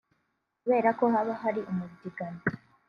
kubera ko haba hari umubyigano